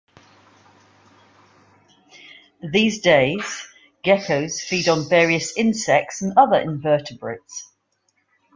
These day geckos feed on various insects and other invertebrates.